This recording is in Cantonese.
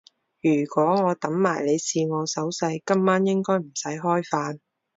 如果我等埋你試我手勢，今晚應該唔使開飯